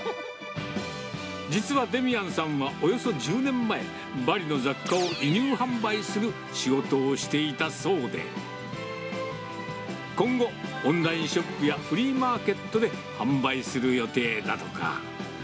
実はデミアンさんはおよそ１０年前、バリの雑貨を輸入販売する仕事をしていたそうで、今後、オンラインショップやフリーマーケットで販売する予定だとか。